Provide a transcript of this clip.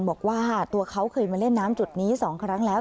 บอกว่าตัวเขาเคยมาเล่นน้ำจุดนี้๒ครั้งแล้ว